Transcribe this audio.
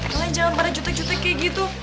kalian jangan pada jutek jutek kayak gitu